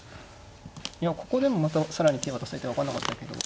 ここでもまた更に手渡されて分かんなかったけど。